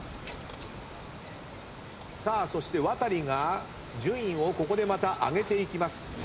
さあそしてワタリが順位をここでまた上げていきます。